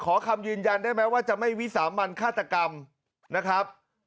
ขอคำยืนยันได้ไหมว่าจะไม่วิสามันฆาตกรรมนะครับ